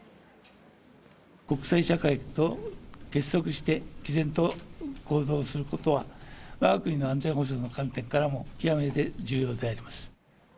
国際社会と結束して、きぜんと行動することは、わが国の安全保障の観点からも、極めて重要であります。